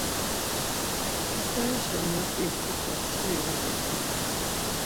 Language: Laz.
Pitsarişen na p̌i kuklas şuri var gedgin.